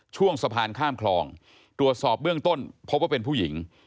ช่วงสะพานข้ามคลองตรวจสอบเบื้องต้นพบว่าเป็นผู้หญิง